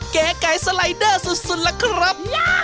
เก๋ไก่สไลเดอร์สุดล่ะครับ